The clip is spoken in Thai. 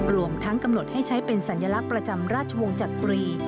รวมทั้งกำหนดให้ใช้เป็นสัญลักษณ์ประจำราชวงศ์จักรี